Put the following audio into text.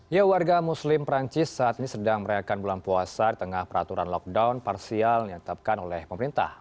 ya warga muslim perancis saat ini sedang merayakan bulan puasa di tengah peraturan lockdown parsial yang ditetapkan oleh pemerintah